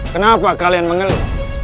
kenapa kalian mengeluh